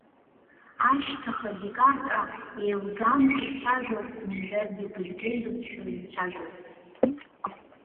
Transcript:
Ашьҭаха дикарка, еилгамкәа ицәажәо, мамзаргьы бырзен бызшәала имцәажәо.